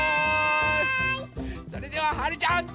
それでははるちゃんどうぞ！